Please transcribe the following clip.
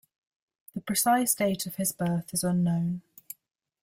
The precise date of his birth is unknown.